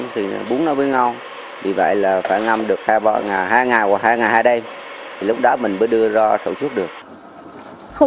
chai nano vàng thì nó là một cái chai dịch